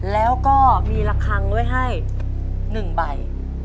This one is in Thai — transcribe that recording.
แล้วก็มีระคังไว้ให้๑ใบ